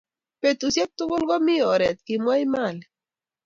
Betusiek tugul komi oret kimwa Emali